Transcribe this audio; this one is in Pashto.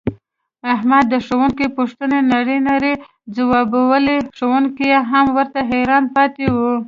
احمد د ښوونکي پوښتنې نرۍ نرۍ ځواوبولې ښوونکی یې هم ورته حیران پاتې و.